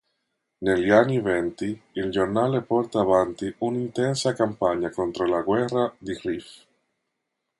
Negli anni Venti, il giornale porta avanti un'intensa campagna contro la Guerra di Rif.